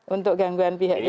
untuk gangguan pihak ketiga